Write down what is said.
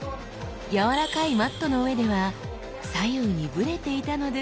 柔らかいマットの上では左右にブレていたのですが。